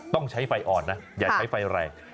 ต้องใช้ไฟอ่อนนะอย่าใช้ไฟแรง